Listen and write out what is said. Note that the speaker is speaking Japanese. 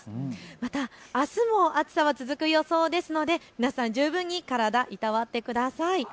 また、あすも暑さは続く予想ですので、皆さん、十分に体、いたわってください。